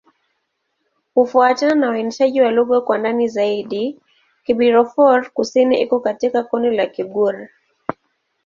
Kufuatana na uainishaji wa lugha kwa ndani zaidi, Kibirifor-Kusini iko katika kundi la Kigur.